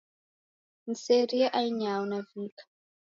Niserie ainyao, navika.